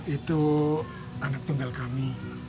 itu anak tunggal kami